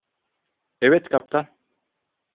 Evet kaptan.